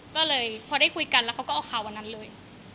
ก็เลยพอได้คุยกันแล้วเขาก็เอาข่าววันนั้นเลย